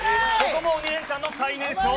鬼レンチャンの最年少。